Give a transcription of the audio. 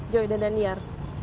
joy dan daniar